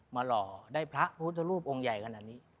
หล่อได้พระพุทธรูปองค์ใหญ่ขนาดนี้